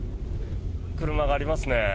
車がありますね。